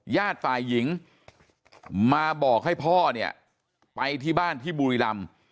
ญาติฝ่ายหญิงมาบอกให้พ่อเนี่ยไปที่บ้านที่บุรีรำ